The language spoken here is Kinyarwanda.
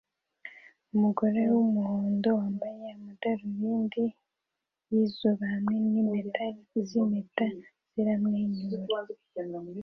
Umugore wumuhondo wambaye amadarubindi yizuba hamwe nimpeta zimpeta ziramwenyura